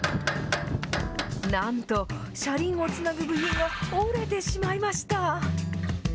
なんと、車輪をつなぐ部品が折れてしまいました。